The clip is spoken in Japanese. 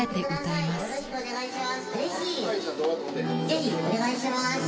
ぜひお願いします。